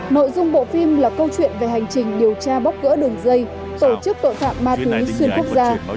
nội dung bộ phim là câu chuyện về hành trình điều tra bóc gỡ đường dây tổ chức tội phạm ma túy xuyên quốc gia